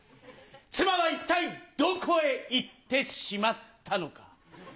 妻は一体どこへ行ってしまったのか？